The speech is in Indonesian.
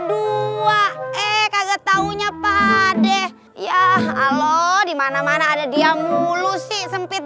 dua eh kaget taunya pade ya halo dimana mana ada dia mulu sih sempit